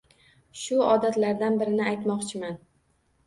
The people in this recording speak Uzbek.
Shu odatlardan birini aytmoqchiman.